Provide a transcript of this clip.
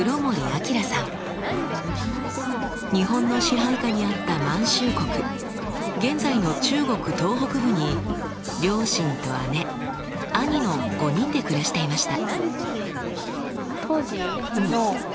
日本の支配下にあった満州国現在の中国東北部に両親と姉兄の５人で暮らしていました。